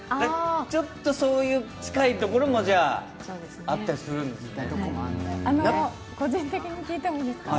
ちょっとそういう近いところもあったりするんですね。